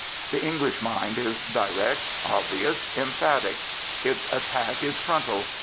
The English mind is direct, obvious, emphatic. Its attack is frontal.